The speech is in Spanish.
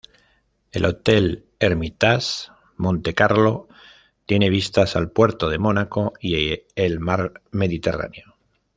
El Hotel Hermitage Monte-Carlo tiene vistas al Puerto de Mónaco y el mar Mediterráneo.